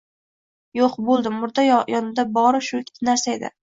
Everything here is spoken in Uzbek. Yo‘q, bo‘ldi, murda yonida bori – shu ikkita narsa edi.